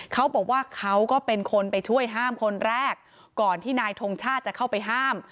เขาบอกว่าเขาก็เป็นคนไปช่วยห้ามคนแรกก่อนที่นายทงชาติจะเข้าไปห้าม